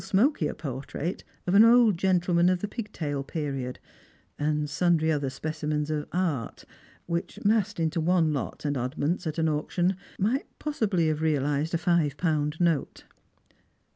emokier portrait of an old gentleman of the pig tail period ; and Bundry other specimens of art, which, massed into one lot of oddments at an auction, might iA^Bsibly have realised a fi'^e pound note.